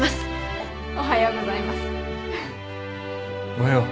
おはよう。